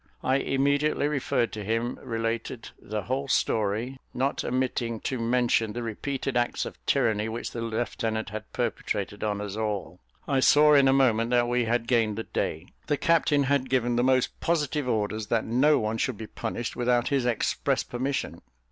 I immediately referred to him, related the whole story, not omitting to mention the repeated acts of tyranny which the lieutenant had perpetrated on us all. I saw in a moment that we had gained the day. The captain had given the most positive orders that no one should be punished without his express permission.